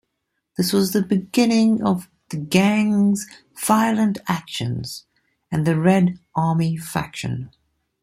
This was the beginning of the gang's violent actions, and the Red Army Faction.